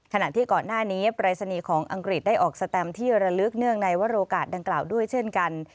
ขณะที่ก่อนหน้านี้ปรายศนีย์ของอังกฤษได้ออกสแตมที่ระลึกเนื่องในวรโอกาสดังกล่าวด้วยเช่นกัน